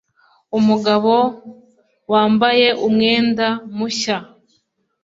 Umugabo wambaye umwenda mushya.